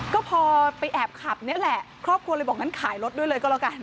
ก็พอไปแอบขับนี่แหละครอบครัวเลยบอกงั้นขายรถด้วยเลยก็แล้วกัน